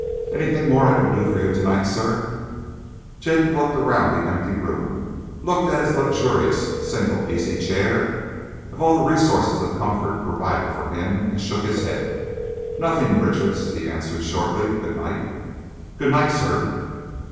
"Anything more I can do for you to night, sir?" Jacob looked around the empty room, looked at his luxurious single easy chair, at all the resources of comfort provided for him, and shook his head. "Nothing, Richards," he answered shortly. "Good night!" "Good night, sir!"